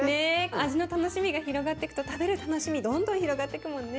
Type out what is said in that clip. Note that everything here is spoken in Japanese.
味の楽しみが広がってくと食べる楽しみどんどん広がってくもんね。